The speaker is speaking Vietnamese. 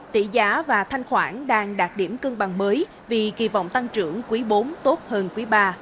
tỷ giá và thanh khoản đang đạt điểm cân bằng mới vì kỳ vọng tăng trưởng quý bốn tốt hơn quý iii